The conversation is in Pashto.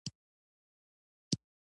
خو د نړۍ ویده ضمیر دا غږ نه پورته کوي.